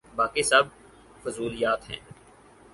باقی سب فضولیات ہیں۔